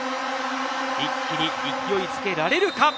一気に勢いづけられるか。